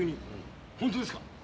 本当ですか？